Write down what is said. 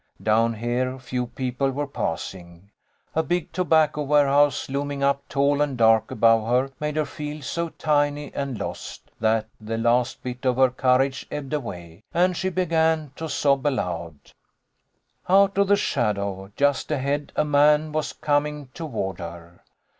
Down here few people were passing. A big tobacco warehouse, looming up tall and dark above her, made her feel so tiny and lost, that the last bit of her courage ebbed away, and she began to sob aloud. THE DAY AFTER THANKSGIVING. 1 9? Out of the shadow just ahead a man was coming toward her.